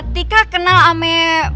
tika kenal ame